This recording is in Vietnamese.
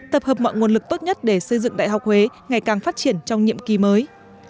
tập hợp mọi nguồn lực tốt nhất để xây dựng đại học huế ngày càng phát triển trong nhiệm kỳ mới